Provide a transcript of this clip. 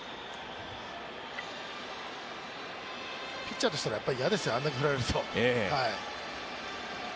ピッチャーとしたらやっぱり嫌ですよ、あんなに振られると。